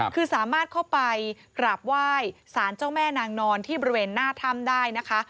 คือสามารถเข้าไปกราบไหว้สารเจ้าแม่นางนอนที่บริเวณหน้าถ้ำได้นะคะ